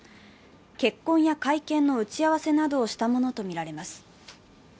結婚や会見の打ち合わせなどをしたものとみられます。